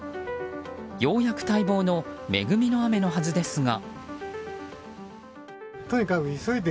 ようやく待望の恵みの雨のはずですが。